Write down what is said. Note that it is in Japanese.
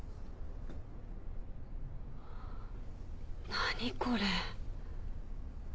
何これ。